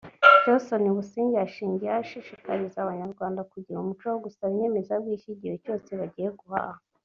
Johnson Busingye yashingiyeho ashishikariza Abanyarwanda kugira umuco wo gusaba inyemezabwishyu igihe cyose bagiye guhaha